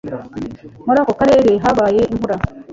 Muri ako karere habaye imvura.